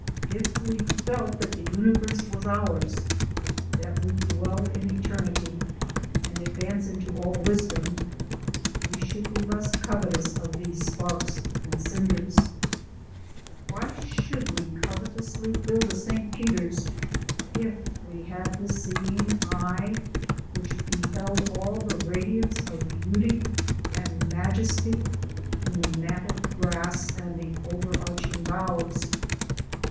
If we felt that the universe was ours, that we dwelled in eternity, and advance into all wisdom, we should be less covetous of these sparks and cinders. Why should we cov etously build a Saint Peter's, if we had the seeing Kye^which beheld all the radiance of beauty and majesty in the^ matted grass and the over arching boughs'?